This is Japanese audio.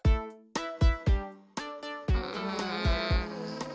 うん。